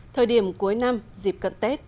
thời điểm cuối năm dịp cận tết